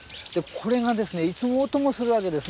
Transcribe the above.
これがですねいつもお供するわけです。